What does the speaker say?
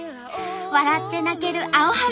笑って泣けるアオハル